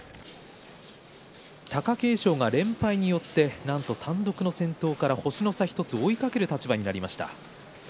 貴景勝、連敗によってなんと単独の先頭から星の差１つで追いかける立場になりました。